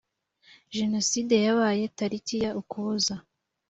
jenoside yabaye tariki ya ukuboza